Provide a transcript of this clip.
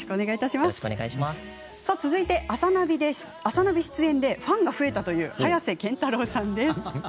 続いて「あさナビ」出演でファンが増えたという早瀬憲太郎さんです。